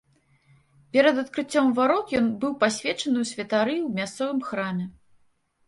Перад адкрыццём варот ён быў пасвечаны ў святары ў мясцовым храме.